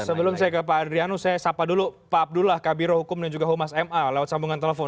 sebelum saya ke pak adrianu saya sapa dulu pak abdullah kabiro hukum dan juga humas ma lewat sambungan telepon